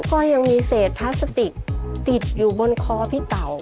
ก็ยังมีเศษพลาสติกติดอยู่บนคอพี่เต่า